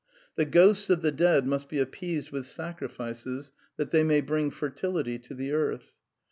The ghosts of the dead must be appeased with sacrifices that they may bring fertility to the earth.